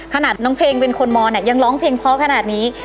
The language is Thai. น้องเพลงเป็นคนมอนเนี่ยยังร้องเพลงเพราะขนาดนี้